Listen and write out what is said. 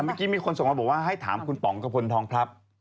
มีคนส่งมาบอกว่าให้ถามคุณป๋องกระพลทองพลับ